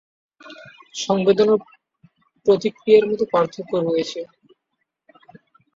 সংবেদন ও প্রতিক্রিয়ার মধ্যে পার্থক্য রয়েছে।